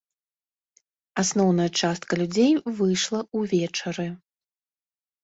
Асноўная частка людзей выйшла ўвечары.